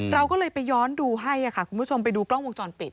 เราก็เลยไปย้อนดูให้ค่ะคุณผู้ชมไปดูกล้องวงจรปิด